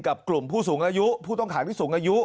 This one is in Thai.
กลุ่มผู้สูงอายุผู้ต้องขังผู้สูงอายุ